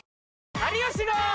有吉の。